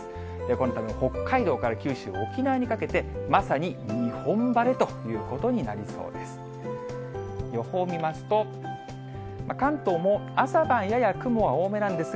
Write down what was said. このため、北海道から九州、沖縄にかけて、まさに日本晴れということになりそうです。